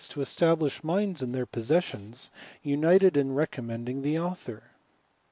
169 Id establish mines in their possessions, united in re« eommending the author.